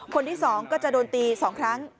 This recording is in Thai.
คนที่๒ก็จะโดนตี๒ครั้ง